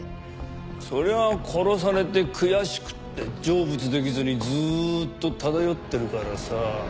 そりゃ殺されて悔しくて成仏できずにずーっと漂ってるからさ。